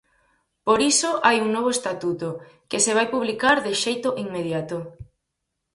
Por iso hai un novo estatuto, que se vai publicar de xeito inmediato.